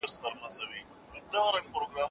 د ځوان نسل فکري روزنې ته جدي پاملرنه وکړئ.